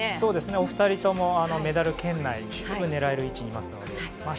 お二人ともメダル圏内を狙える位置にいますので明日